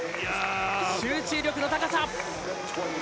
集中力の高さ。